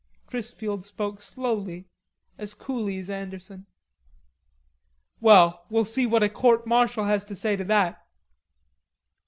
Chrisfield spoke slowly, as coolly as Anderson. "Well, we'll see what a court martial has to say to that."